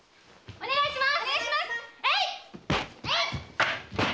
お願いします！